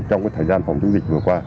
trong thời gian phòng chống dịch vừa qua